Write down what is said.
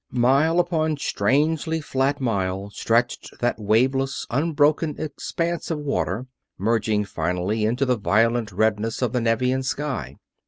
Mile upon strangely flat mile stretched that waveless, unbroken expanse of water, merging finally into the violent redness of the Nevian sky.